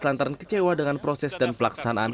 lantaran kecewa dengan proses dan pelaksanaan